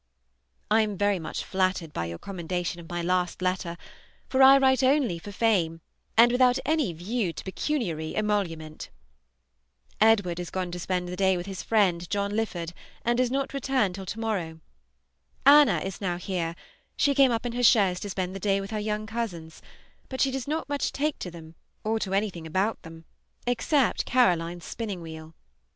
I am very much flattered by your commendation of my last letter, for I write only for fame, and without any view to pecuniary emolument. Edward is gone to spend the day with his friend, John Lyford, and does not return till to morrow. Anna is now here; she came up in her chaise to spend the day with her young cousins, but she does not much take to them or to anything about them, except Caroline's spinning wheel.